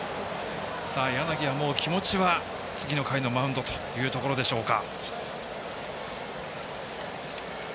柳はもう気持ちは次の回のマウンドというところでしょうか。